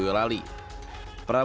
pertanyaan terakhir bupati mengatakan